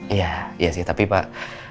iya iya sih tapi pak